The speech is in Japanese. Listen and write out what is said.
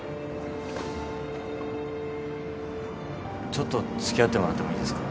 ちょっと付き合ってもらってもいいですか？